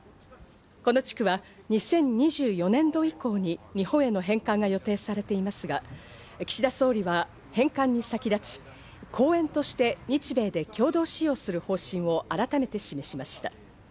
この地区は２０２４年度以降に日本への返還が予定されていますが、岸田総理は返還に先立ち、公園として日米で共同使用する方針を改めて示しました。